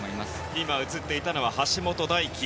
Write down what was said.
今映っていたのは橋本大輝。